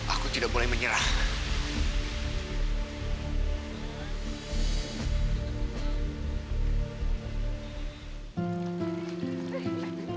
aku tidak boleh menyerah